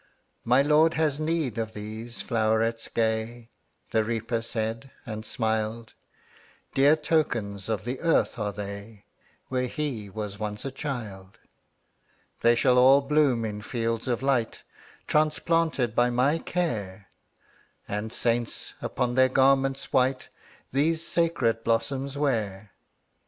``My Lord has need of these flowerets gay,'' The Reaper said, and smiled; ``Dear tokens of the earth are they, Where he was once a child. ``They shall all bloom in fields of light, Transplanted by my care, And saints, upon their garments white, These sacred blossoms wear.''